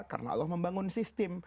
karena allah membangun sistem